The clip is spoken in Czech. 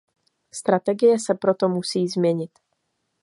Strategie se proto musí změnit.